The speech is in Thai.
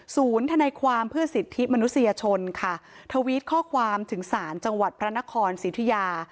ทนายความเพื่อสิทธิมนุษยชนค่ะทวิตข้อความถึงศาลจังหวัดพระนครสิทธิยา